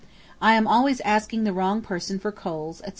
I am always asking the wrong person for coals, etc.